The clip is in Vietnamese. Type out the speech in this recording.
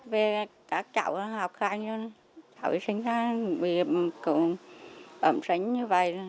vì cả cháu học khá nhiều cháu sinh ra cũng ẩm sánh như vậy